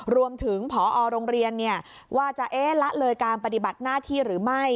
รวมถึงพอโรงเรียนว่าจะละเลยการปฏิบัติหน้าที่หรือไม่